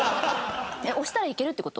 押したらいけるって事？